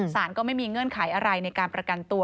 ก็ไม่มีเงื่อนไขอะไรในการประกันตัว